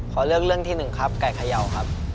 ขอเลือกเรื่องที่๑ครับไก่เขย่าครับ